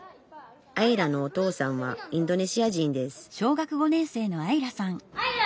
愛来のお父さんはインドネシア人です